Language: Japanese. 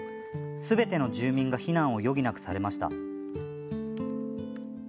すべての住民が避難を余儀なくされました。